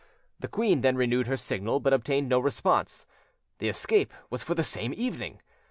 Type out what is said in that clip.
The queen then renewed her signal, but obtained no response: the escape was for the same evening.